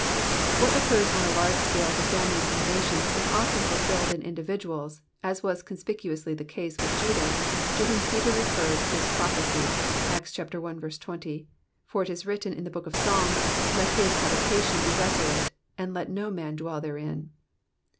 What occurs on a large scale to families and nations is often fulfilled in individuals, as was conspicuously the case with Jud&s, to whom Peter referred this prophecy, Acts i. 20, *' For it is written in the book of Psalms, let this habitation be desolate, and let no man dwell therein."